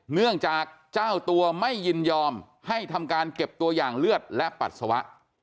เนื่องจากเจ้าตัวไม่ยินยอมให้ทำการเก็บตัวอย่างเลือดและปัสสาวะ